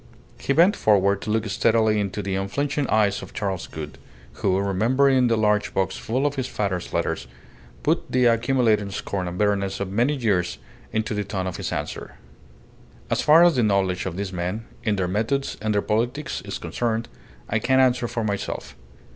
He bent forward to look steadily into the unflinching eyes of Charles Gould, who, remembering the large box full of his father's letters, put the accumulated scorn and bitterness of many years into the tone of his answer "As far as the knowledge of these men and their methods and their politics is concerned, I can answer for myself.